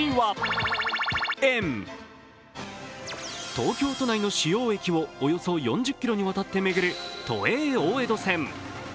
東京都内の主要駅をおよそ４０ｋｍにわたって巡る都営大江戸線。